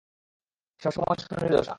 সবসময় শনির দশা!